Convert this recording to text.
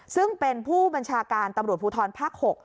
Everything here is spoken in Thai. ซึ่งเป็นผู้บัญชาการตำรวจภูทรภาค๖